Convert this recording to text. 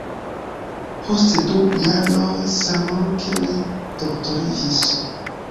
Post du jaroj samloke li doktoriĝis.